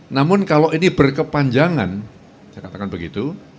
namun kalau ini berkepanjangan saya katakan begitu